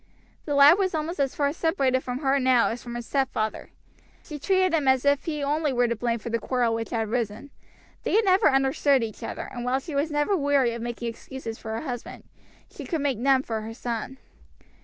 The lad was almost as far separated from her now as from his stepfather. She treated him as if he only were to blame for the quarrel which had arisen. They had never understood each other, and while she was never weary of making excuses for her husband, she could make none for her son.